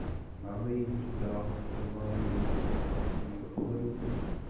Máme jít ještě dál k formálnímu systému bankovního dohledu?